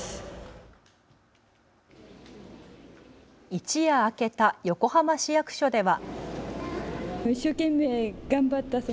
一夜明けた横浜市役所では。